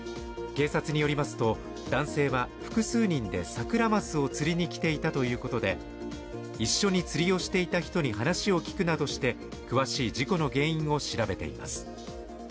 警察によりますと、男性は複数人で桜ますを釣りに来ていたということで一緒に釣りをしていた人に話を聞くなどして、詳しい事故の原因を調べています。